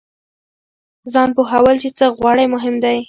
ځان پوهول چې څه غواړئ مهم دی.